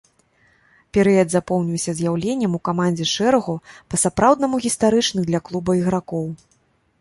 Перыяд запомніўся з'яўленнем у камандзе шэрагу па-сапраўднаму гістарычных для клуба ігракоў.